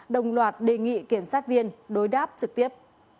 đồng loạt đề nghị kiểm sát viên đối đáp trực tiếp